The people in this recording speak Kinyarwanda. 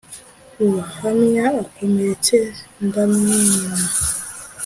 Ruhamya akomeretse ndamwina